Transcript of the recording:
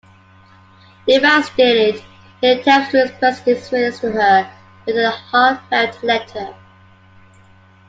Devastated, he attempts to express his feelings to her with a heartfelt letter.